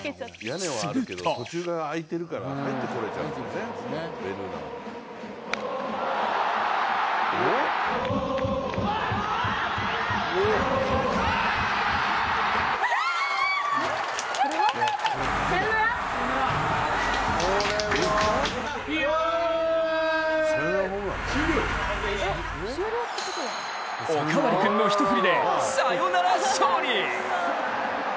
するとおかわり君の一振りでサヨナラ勝利！